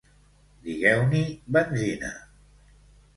digueu-n'hi benzina